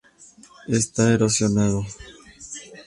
Esta erosionado.